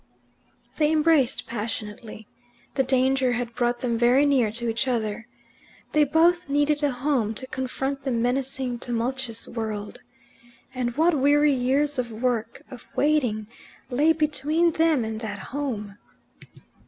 They embraced passionately. The danger had brought them very near to each other. They both needed a home to confront the menacing tumultuous world. And what weary years of work, of waiting, lay between them and that home!